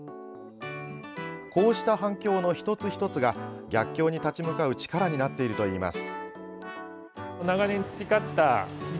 こうした反響の一つ一つが逆境に立ち向かう力になっているといいます。